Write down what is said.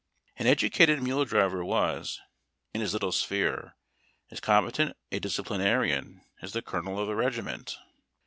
An educated mule driver was, in his little sphere, as com petent a disciplinarian as the colonel of a regiment.